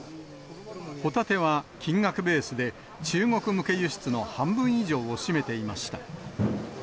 ホタテは金額ベースで、中国向け輸出の半分以上を占めていました。